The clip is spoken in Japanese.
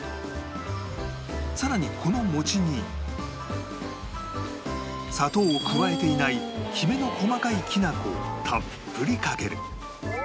さらにこの餅に砂糖を加えていないきめの細かいきなこをたっぷりかける